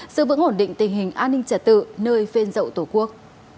sự vững ổn định tình hình an ninh trẻ tự nơi phên dậu tổ quốc